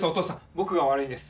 僕が悪いんです。